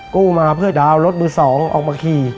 กู้มาเพื่อดาวน์รถมือ๒ออกมาขี่